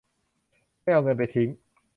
ไม่เอาเงินไปทิ้ง